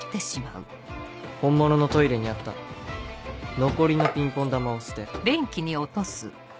本物のトイレにあった残りのピンポン球を捨て。